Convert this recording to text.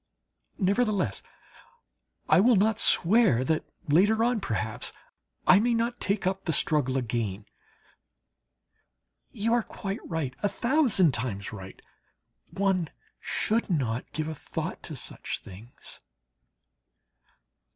Nevertheless, I will not swear that later on, perhaps, I may not take up the struggle again. You are quite right, a thousand times right! One should not give a thought to such things.